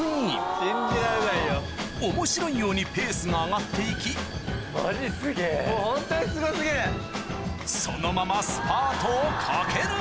面白いようにペースが上がって行きそのままスパートをかける！